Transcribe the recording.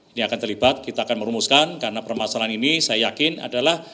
ini akan terlibat kita akan merumuskan karena permasalahan ini saya yakin adalah